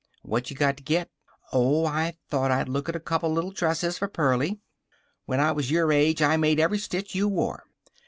"What you got to get?" "Oh, I thought I'd look at a couple little dresses for Pearlie." "When I was your age I made every stitch you wore."